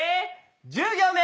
１０行目。